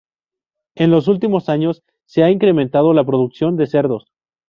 En los últimos años se ha incrementado la producción de cerdos.